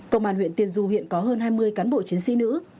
công an huyện tiên du hiện có hơn hai mươi cán bộ chiến sĩ nữ